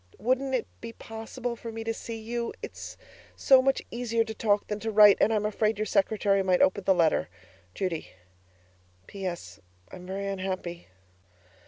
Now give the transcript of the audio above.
Wouldn't it be possible for me to see you? It's so much easier to talk than to write; and I'm afraid your secretary might open the letter. Judy PS. I'm very unhappy.